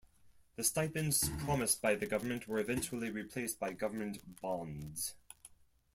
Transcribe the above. The stipends promised by the government were eventually replaced by government bonds.